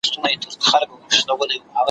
عدالت به موږ له کومه ځایه غواړو ,